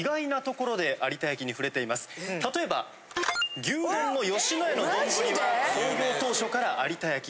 例えば牛丼の野家の丼は創業当初から有田焼。